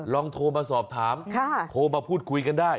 ลองโทรมาสอบถามโทรมาพูดคุยกันได้